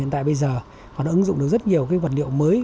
hiện tại bây giờ họ đã ứng dụng được rất nhiều cái vật liệu mới